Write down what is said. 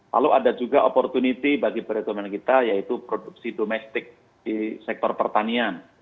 lalu ada juga opportunity bagi perekonomian kita yaitu produksi domestik di sektor pertanian